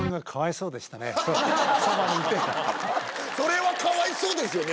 それはかわいそうですよね